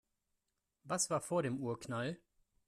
Was war vor dem Urknall?